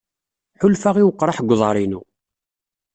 Ḥulfaɣ i weqraḥ deg uḍar-inu.